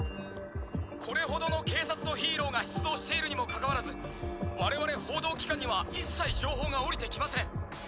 これほどの警察とヒーローが出動しているにもかかわらず我々報道機関には一切情報が下りてきません。